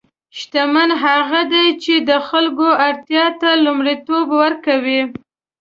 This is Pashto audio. شتمن هغه دی چې د خلکو اړتیا ته لومړیتوب ورکوي.